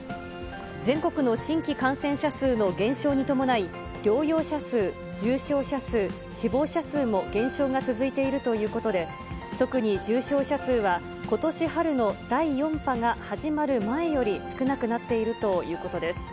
全国の新規感染者数の減少に伴い、療養者数、重症者数、死亡者数も減少が続いているということで、特に重症者数は、ことし春の第４波が始まる前より少なくなっているということです。